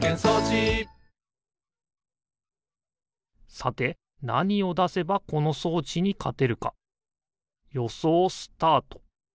さてなにをだせばこのそうちにかてるかよそうスタート！